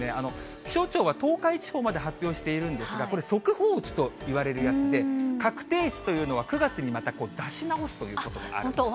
気象庁は、東海地方まで発表しているんですが、これ、速報値といわれるやつで、確定値というのは、９月にまた出し直すということがあるんですね。